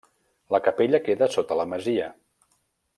La capella queda sota la masia.